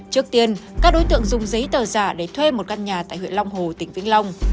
trước tiên các đối tượng dùng giấy tờ giả để thuê một căn nhà tại huyện long hồ tỉnh vĩnh long